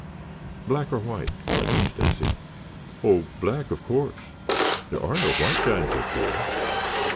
"Black or white?" questioned Stacy. "Oh, black, of course. There are no white guides up here.